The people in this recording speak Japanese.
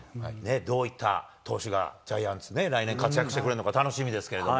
どういった投手がジャイアンツ、来年活躍してくれるのか楽しみですけれども。